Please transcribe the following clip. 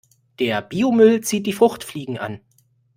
Der Biomüll zieht die Fruchtfliegen an.